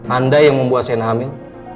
anda yang membuat saya hamil